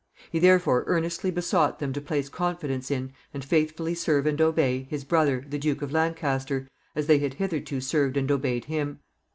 He therefore earnestly besought them to place confidence in, and faithfully serve and obey, his brother, the Duke of Lancaster, as they had hitherto served and obeyed him.